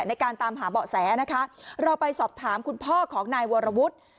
ในการตามหาเบาะแสนะคะเราไปสอบถามคุณพ่อของนายวรวุฒิ